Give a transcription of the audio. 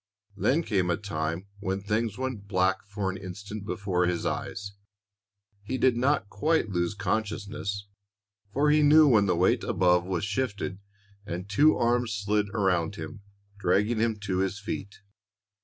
Then came a time when things went black for an instant before his eyes. He did not quite lose consciousness, for he knew when the weight above was lifted and two arms slid around him, dragging him to his feet.